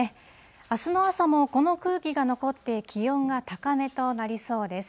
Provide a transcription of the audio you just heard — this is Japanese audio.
あすの朝もこの空気が残って、気温が高めとなりそうです。